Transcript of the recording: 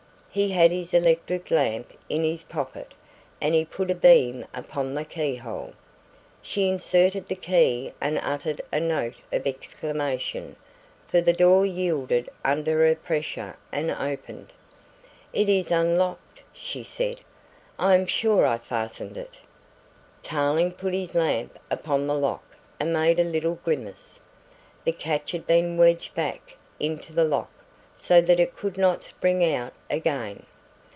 He had his electric lamp in his pocket and he put a beam upon the key hole. She inserted the key and uttered a note of exclamation, for the door yielded under her pressure and opened. "It is unlocked," she said. "I am sure I fastened it." Tarling put his lamp upon the lock and made a little grimace. The catch had been wedged back into the lock so that it could not spring out again.